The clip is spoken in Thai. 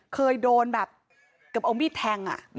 เคยโดนแบบกับอมพี่แทงอ่ะ